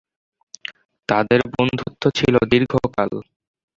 তাদের বন্ধুত্ব ছিল দীর্ঘকাল।